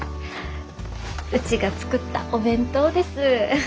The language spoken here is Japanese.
うちが作ったお弁当です。